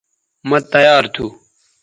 مہ تیار تھو